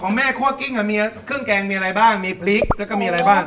แม่คั่วกิ้งมีเครื่องแกงมีอะไรบ้างมีพริกแล้วก็มีอะไรบ้าง